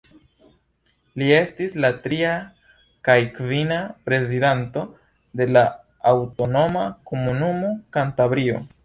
Li estis la tria kaj kvina prezidanto de la aŭtonoma komunumo Kantabrio.